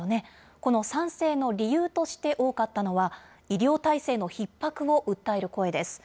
この賛成の理由として多かったのは、医療体制のひっ迫を訴える声です。